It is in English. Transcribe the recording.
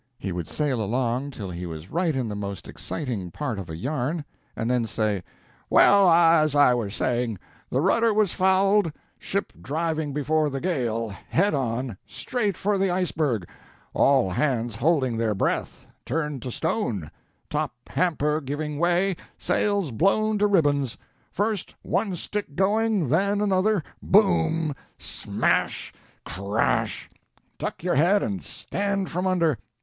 He would sail along till he was right in the most exciting part of a yarn, and then say, "Well, as I was saying, the rudder was fouled, ship driving before the gale, head on, straight for the iceberg, all hands holding their breath, turned to stone, top hamper giving 'way, sails blown to ribbons, first one stick going, then another, boom! smash! crash! duck your head and stand from under!